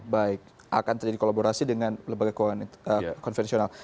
baik akan terjadi kolaborasi dengan lembaga keuangan konvensional